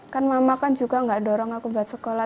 kan mama kan juga nggak dorong aku buat sekolah